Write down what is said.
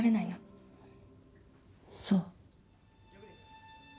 そう。